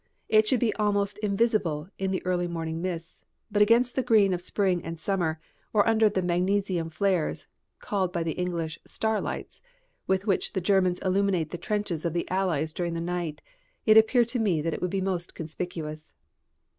It should be almost invisible in the early morning mists, but against the green of spring and summer, or under the magnesium flares called by the English "starlights" with which the Germans illuminate the trenches of the Allies during the night, it appeared to me that it would be most conspicuous.